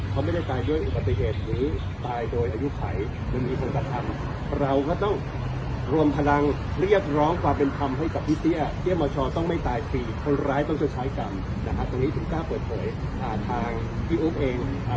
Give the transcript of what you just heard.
ต้องใช้กรรมนะฮะตรงนี้ถึงกล้าปล่อยปล่อยอ่าทางพี่อุ๊บเองอ่า